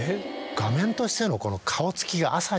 画面としての。